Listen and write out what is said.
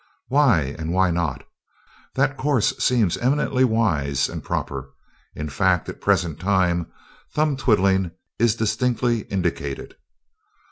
"Why, and why not? That course seems eminently wise and proper. In fact, at the present time, thumb twiddling is distinctly indicated."